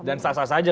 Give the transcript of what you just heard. oke dan sah sah saja